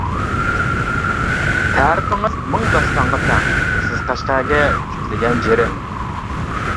تەرىپىڭىز مىڭ داستانغا تەڭ، سىز قەشقەرگە تىكىلگەن جىرىم.